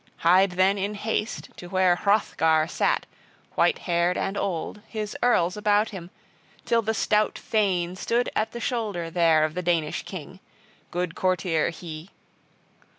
Hied then in haste to where Hrothgar sat white haired and old, his earls about him, till the stout thane stood at the shoulder there of the Danish king: good courtier he!